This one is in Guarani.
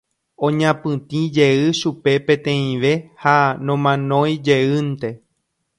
Oñapytĩjey chupe peteĩve ha nomanoijeýnte.